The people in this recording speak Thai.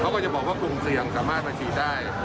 เขาก็จะบอกว่ากลุ่มเสี่ยงสามารถมาฉีดได้